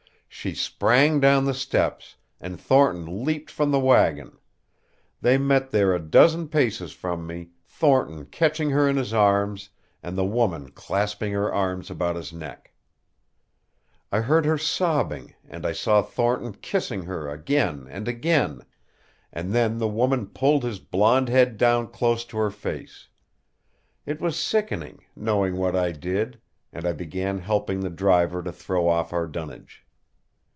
She sprang down the steps, and Thornton leaped from the wagon. They met there a dozen paces from me, Thornton catching her in his arms, and the woman clasping her arms about his neck. I heard her sobbing, and I saw Thornton kissing her again and again, and then the woman pulled his blond head down close to her face. It was sickening, knowing what I did, and I began helping the driver to throw off our dunnage.